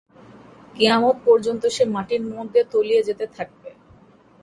কিয়ামত পর্যন্ত সে মাটির মধ্যে তলিয়ে যেতে থাকবে।